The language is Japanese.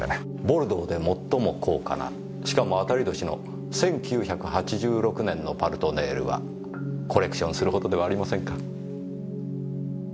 ボルドーで最も高価なしかも当たり年の１９８６年の「パルトネール」はコレクションするほどではありませんか？